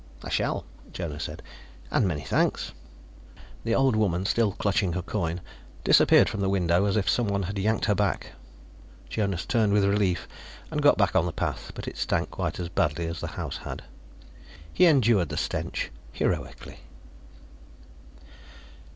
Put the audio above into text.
"I shall," Jonas said, "and many thanks." The old woman, still clutching her coin, disappeared from the window as if someone had yanked her back. Jonas turned with relief and got back on the path, but it stank quite as badly as the house had. He endured the stench heroically.